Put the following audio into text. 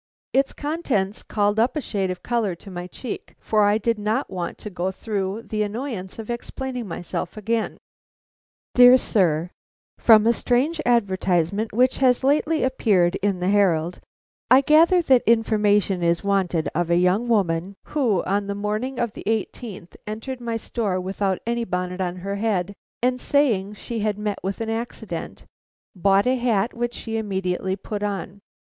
Its contents called up a shade of color to my cheek, for I did not want to go through the annoyance of explaining myself again: "DEAR SIR: "From a strange advertisement which has lately appeared in the Herald, I gather that information is wanted of a young woman who on the morning of the eighteenth inst. entered my store without any bonnet on her head, and saying she had met with an accident, bought a hat which she immediately put on.